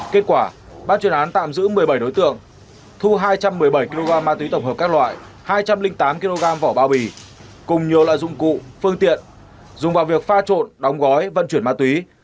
kết quả ban chuyên án tạm giữ một mươi bảy đối tượng thu hai trăm một mươi bảy kg ma túy tổng hợp các loại hai trăm linh tám kg vỏ bao bì cùng nhiều loại dụng cụ phương tiện dùng vào việc pha trộn đóng gói vận chuyển ma túy